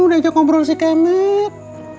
neng gak mau ngobrol si kemet